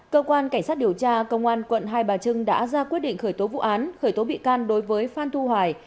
cơ quan cảnh sát điều tra công an quận hai bà trưng đã ra quyết định khởi tố vụ án khởi tố bị can đối với phan thu hoài